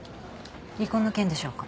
離婚の件でしょうか？